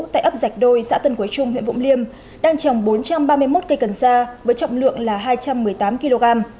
tại ấp dạch đôi xã tân quế trung huyện vũng liêm đang trồng bốn trăm ba mươi một cây cần sa với trọng lượng là hai trăm một mươi tám kg